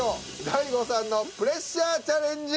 大悟さんのプレッシャーチャレンジ。